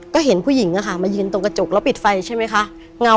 ก็เห็นผู้หญิงมายืนตรงกระจกแล้วปิดไฟใช่ไหมคะ